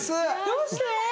どうして？